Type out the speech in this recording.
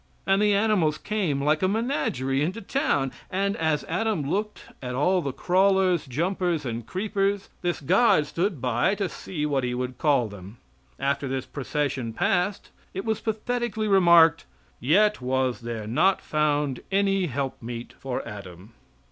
And the animals came like a menagerie into town, and as Adam looked at all the crawlers, jumpers and creepers, this God stood by to see what he would call them. After this procession passed, it was pathetically remarked, "Yet was there not found any helpmeet for Adam."